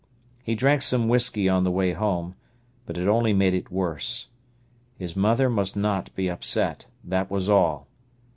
He drank some whisky on the way home, but it only made it worse. His mother must not be upset, that was all.